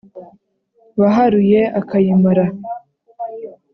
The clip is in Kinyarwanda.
waharuye akayimara.